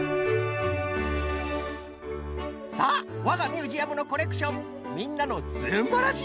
さあわがミュージアムのコレクションみんなのすんばらしい